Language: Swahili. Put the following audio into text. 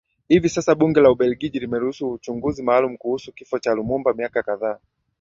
Hivi sasa Bunge la Ubeligiji limeruhusu uchunguzi maalumu kuhusu Kifo cha Lumumba miaka kadhaa